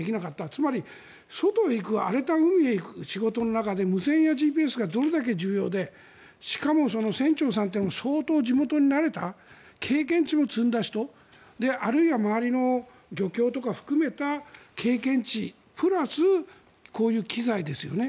つまり、外へ行く荒れた海へ行く仕事の中で無線やＧＰＳがどれだけ重要でしかもその船長さんというのも相当地元に慣れた経験値も積んだ人あるいは周りの漁協とか含めた経験値プラスこういう機材ですよね。